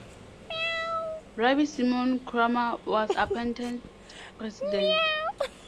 Rabbi Simon Kramer was appointed President.